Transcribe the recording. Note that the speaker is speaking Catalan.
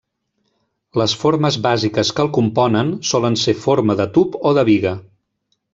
Les formes bàsiques que el componen solen ser forma de tub o de biga.